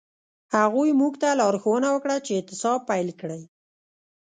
هغوی موږ ته لارښوونه وکړه چې اعتصاب پیل کړئ.